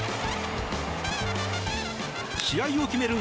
試合を決める